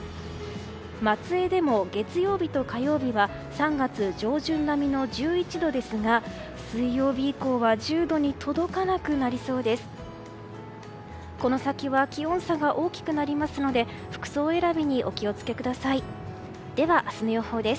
松江でも月曜日と火曜日は３月上旬並みの１１度ですが、水曜日以降は１０度に届かなくなりそうです。